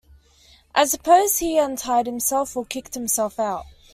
I suppose he untied himself or kicked himself out.